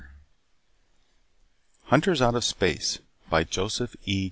net HUNTERS OUT OF SPACE By JOSEPH E.